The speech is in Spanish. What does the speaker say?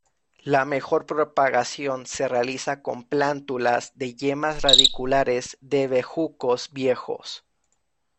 La mejor propagación se realiza con plántulas de yemas radiculares de bejucos viejos.